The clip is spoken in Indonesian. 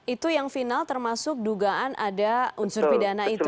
itu yang final termasuk dugaan ada unsur pidana itu